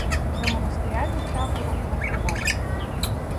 До монастиря від табору — зо три версти.